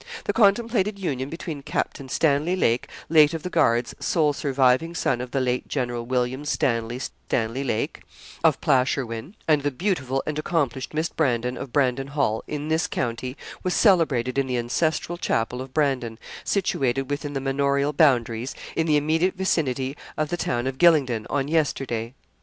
The contemplated union between Captain Stanley Lake, late of the Guards, sole surviving son of the late General Williams Stanley Stanley Lake, of Plasrhwyn, and the beautiful and accomplished Miss Brandon, of Brandon Hall, in this county, was celebrated in the ancestral chapel of Brandon, situated within the manorial boundaries, in the immediate vicinity of the town of Gylingden, on yesterday.